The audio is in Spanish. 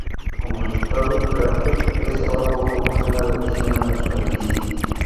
Como resultado, el cráter es ahora poco más que una depresión en la superficie.